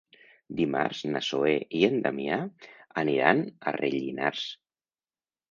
Dimarts na Zoè i en Damià aniran a Rellinars.